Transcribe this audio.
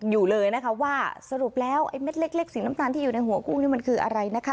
อยู่เลยนะคะว่าสรุปแล้วไอ้เม็ดเล็กสีน้ำตาลที่อยู่ในหัวกุ้งนี่มันคืออะไรนะคะ